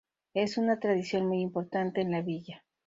Es una tradición muy importante en la villa.